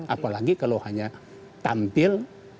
apalagi kalau hanya tampil